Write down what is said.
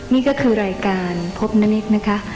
นี่ก็คือรายการพบณิตนะคะ